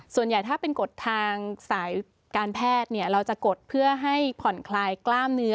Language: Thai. ส่วนใหญ่ถ้าเป็นกฎทางสายการแพทย์เราจะกดเพื่อให้ผ่อนคลายกล้ามเนื้อ